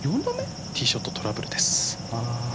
ティーショットトラブルです。